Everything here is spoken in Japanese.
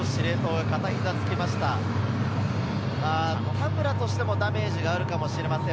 田村としてもダメージがあるかもしれません。